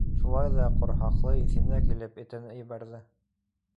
Шулай ҙа ҡорһаҡлы иҫенә килеп, этен ебәрҙе.